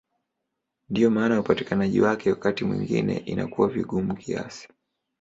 Ndiyo maana upatikanaji wake wakati mwingine inakuwa vigumu kiasi.